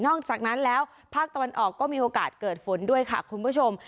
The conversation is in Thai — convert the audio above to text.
อกจากนั้นแล้วภาคตะวันออกก็มีโอกาสเกิดฝนด้วยค่ะคุณผู้ชม